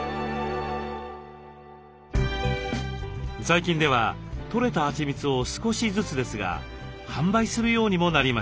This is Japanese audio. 最近ではとれたはちみつを少しずつですが販売するようにもなりました。